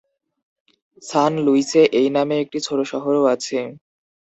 সান লুইসে এই নামে একটি ছোট শহরও আছে।